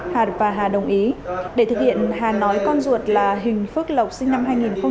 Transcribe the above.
hà và hà đồng ý để thực hiện hà nói con ruột là hình phước lộc sinh năm hai nghìn sáu